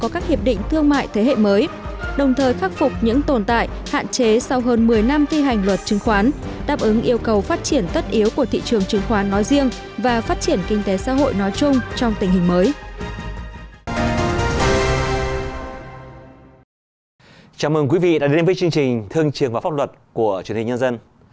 chào mừng quý vị đã đến với chương trình thương trường và pháp luật của truyền hình nhân dân